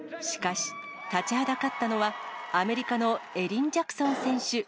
しかし、立ちはだかったのは、アメリカのエリン・ジャクソン選手。